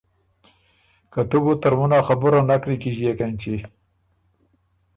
که تُو بو ترمُن ا خبُره نک نیکیݫيېک اېنچی۔